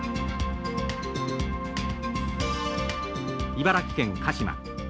茨城県鹿島。